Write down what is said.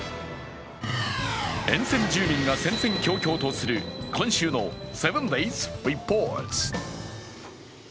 沿線住民が戦々恐々とする今週の「７ｄａｙｓリポート」。